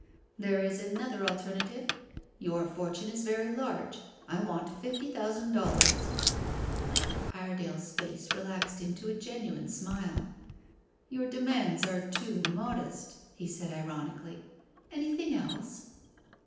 "There is another alternative. Your fortune is very large. I want fifty thousand dollars." Iredale's face relaxed into a genuine smile. "Your demands are too modest," he said ironically, "Anything else?"